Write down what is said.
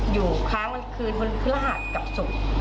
อยู่ค้างวันที่คืนพลระหัสกลับสูบ